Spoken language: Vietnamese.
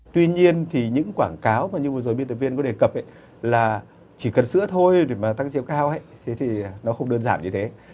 tuy nhiên thì những quảng cáo mà như vừa rồi biên tập viên có đề cập là chỉ cần sữa thôi để mà tăng chiếu cao thế thì nó không đơn giản như thế